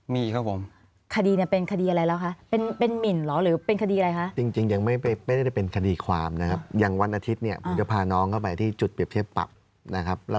มีครับผมคดีเนี่ยเป็นคดีอะไรแล้วคะ